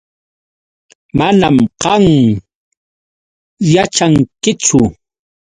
Manam qam yaćhankichu.